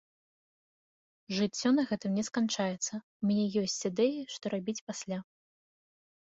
Жыццё на гэтым не сканчаецца, у мяне ёсць ідэі, што рабіць пасля.